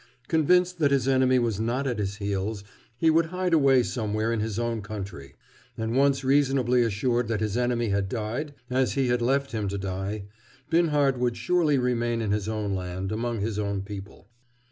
Convinced that his enemy was not at his heels, he would hide away somewhere in his own country. And once reasonably assured that this enemy had died as he had left him to die, Binhart would surely remain in his own land, among his own people.